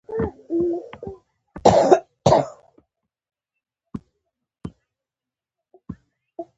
پېښې دومره ژورې نه دي.